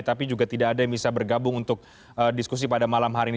tapi juga tidak ada yang bisa bergabung untuk diskusi pada malam hari ini